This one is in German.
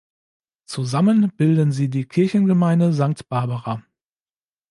Zusammen bilden sie die Kirchgemeinde Sankt Barbara.